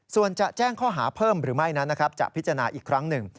ส่วนจะแจ้งข้อหาเพิ่มหรือไม่นั้นนะครับจะพิจารณาอีกครั้งหนึ่ง